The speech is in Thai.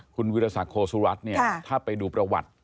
คุณวิรสัตว์โคซุรัสถ้าไปดูประวัติ